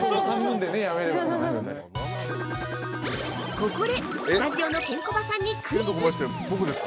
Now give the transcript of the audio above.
◆ここでスタジオのケンコバさんにクイズ！